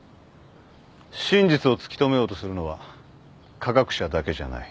真実を突き止めようとするのは科学者だけじゃない。